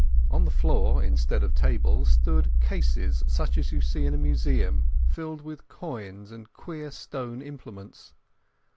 On the floor, instead of tables, stood cases such as you see in a museum, filled with coins and queer stone implements.